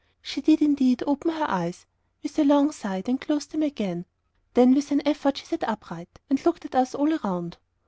She did, indeed, open her eyes, with a long sigh, but closed them again. Then with an effort she sat upright, and looked at us all around.